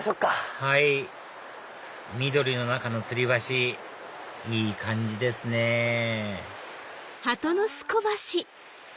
はい緑の中のつり橋いい感じですねあ！